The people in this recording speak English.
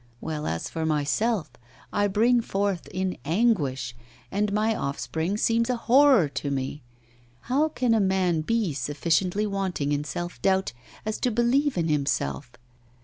Well, as for myself, I bring forth in anguish, and my offspring seems a horror to me. How can a man be sufficiently wanting in self doubt as to believe in himself?